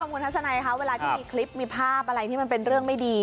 คุณทัศนัยคะเวลาที่มีคลิปมีภาพอะไรที่มันเป็นเรื่องไม่ดี